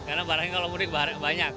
karena barangnya kalau mudik banyak